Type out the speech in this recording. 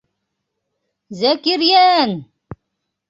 Зәкирйән!